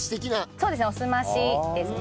そうですねおすましですね。